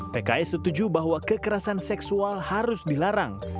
pks setuju bahwa kekerasan seksual harus dilarang